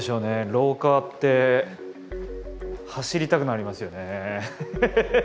廊下って走りたくなりますよね。